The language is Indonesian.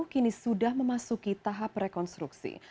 kini sudah memasuki tahap rekonstruksi